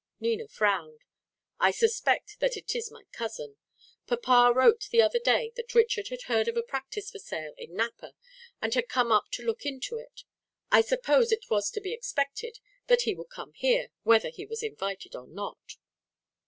Nina frowned. "I suspect that it is my cousin. Papa wrote the other day that Richard had heard of a practice for sale in Napa, and had come up to look into it. I suppose it was to be expected that he would come here, whether he was invited or not."